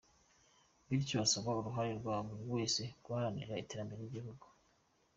Bityo asaba uruhare rwa buri wese mu guharanira iterambere ry’igihugu.